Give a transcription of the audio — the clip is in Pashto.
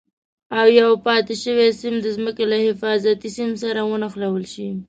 او یو پاتې شوی سیم د ځمکې له حفاظتي سیم سره ونښلول شي.